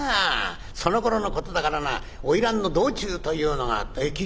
そのころのことだからな花魁の道中というのがある」。